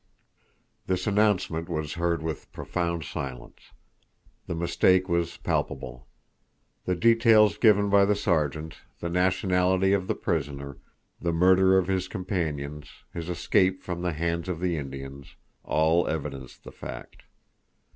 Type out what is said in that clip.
This announcement was heard with profound silence. The mistake was palpable. The details given by the Sergeant, the nationality of the prisoner, the murder of his companions, his escape from the hands of the Indians, all evidenced the fact.